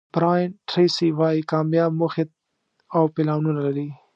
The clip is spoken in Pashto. برایان ټریسي وایي کامیاب موخې او پلانونه لري.